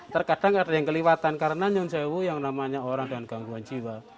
terkadang ada yang kelewatan karena nyunjau yang namanya orang dengan gangguan jiwa